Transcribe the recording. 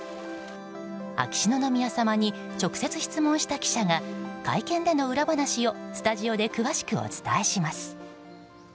秋篠宮さまに直接質問した記者が会見での裏話をスタジオで詳しくお伝えします。